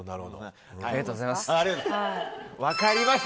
ありがとうございます。